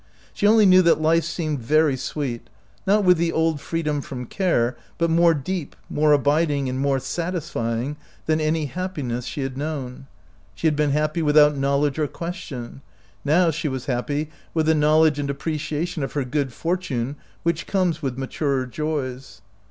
She only knew that life seemed very sweet, not with the old freedom from care, but more deep, more abiding, and more satisfying than any happiness she had known. She had been happy without knowledge or question ; now she was happy with the knowledge and appreciation of her good fortune which comes with maturer joys.